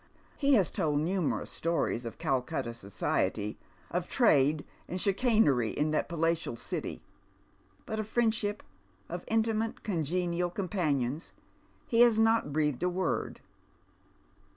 He has told numerous stories of Calcutta society, of trade and chicanery in that palatial city ; but ot friendship, of intimate congenial companions, he has not breathed & word.